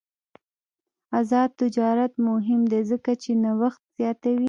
آزاد تجارت مهم دی ځکه چې نوښت زیاتوي.